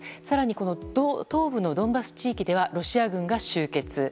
更に、東部のドンバス地域ではロシア軍が集結。